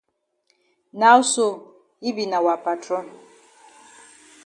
Now sl yi be na wa patron.